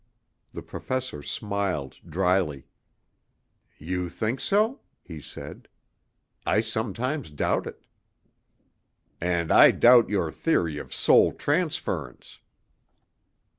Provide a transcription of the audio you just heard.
The Professor smiled dryly. "You think so?" he said. "I sometimes doubt it." "And I doubt your theory of soul transference."